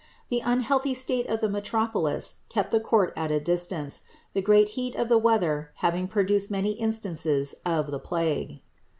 The unhealthy state of the metropolis kept the court at a distance, the great heat of the weather having produced many instances of the plague.